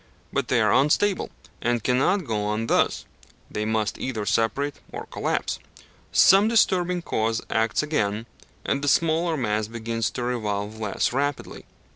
But they are unstable, and cannot go on thus: they must either separate or collapse. Some disturbing cause acts again, and the smaller mass begins to revolve less rapidly.